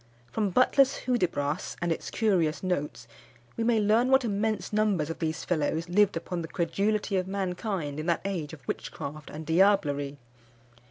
From Butler's Hudibras, and its curious notes, we may learn what immense numbers of these fellows lived upon the credulity of mankind in that age of witchcraft and diablerie.